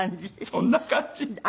そんな感じで。